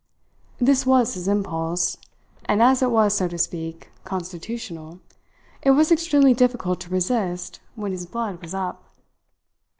This was his impulse; and as it was, so to speak, constitutional, it was extremely difficult to resist when his blood was up.